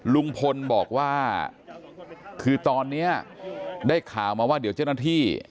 ลุงพลบอกว่าคือตอนนี้ได้ข่าวมาว่าเดี๋ยวเจ้าหน้าที่